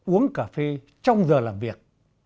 uống cà phê trong giờ làm việc